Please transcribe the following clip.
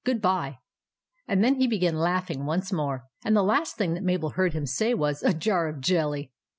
Good bye." And then he began laughing once more ; and the last thing that Mabel heard him say was, " A jar of jelly!